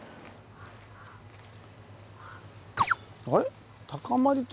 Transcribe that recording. あれ？